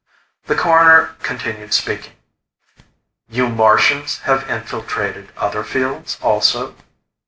The Coroner continued speaking. "You Martians have infiltrated other fields also?"